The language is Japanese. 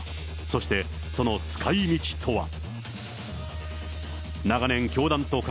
そして、その使いみちとは。